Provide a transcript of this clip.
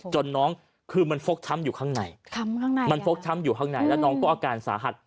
น้องคือมันฟกช้ำอยู่ข้างในมันฟกช้ำอยู่ข้างในแล้วน้องก็อาการสาหัส